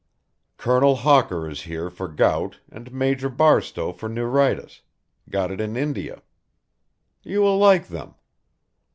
Colonel Hawker is here for gout and Major Barstowe for neuritis, got it in India. You will like them.